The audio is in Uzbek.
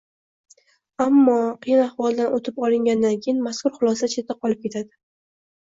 Ammo, qiyin ahvoldan o‘tib olingandan keyin, mazkur xulosa chetda qolib ketdi